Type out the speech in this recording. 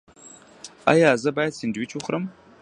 ایا زه باید سنډویچ وخورم؟